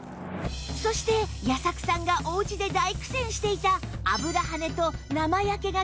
そして矢作さんがお家で大苦戦していた